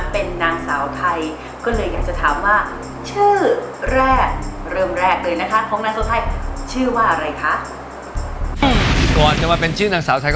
เป็นนางสาวไทยก็เลยอยากจะถามว่า